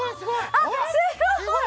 あっすごい！